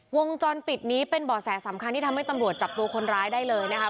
วงจรปิดนี้เป็นบ่อแสสำคัญที่ทำให้ตำรวจจับตัวคนร้ายได้เลยนะคะ